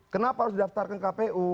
kenapa harus didaftarkan kpu